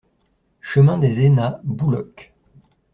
Chemin des Aynats, Bouloc